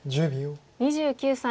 ２９歳。